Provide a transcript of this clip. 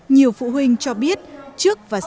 nhiều phụ huynh cho biết trước và sau